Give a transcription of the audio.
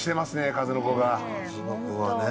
数の子がね。